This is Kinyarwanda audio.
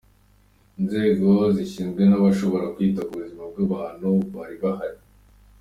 Inzego zishinzwe n'abashobora kwita ku buzima bw'abantu bari bahari.